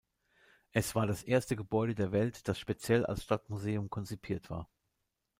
Es war das erste Gebäude der Welt, das speziell als Stadtmuseum konzipiert war.